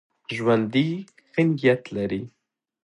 ژوندي ښه نیت لري